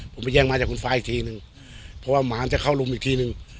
ผมไปแจ้งมาจากคุณฟ้าอีกทีนึงเพราะว่าหมามันจะเข้ารุมอีกทีหนึ่ง